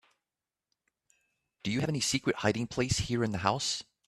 Do you have any secret hiding place here in the house?